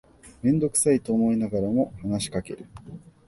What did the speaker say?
めんどくさいと思いながらも話しかける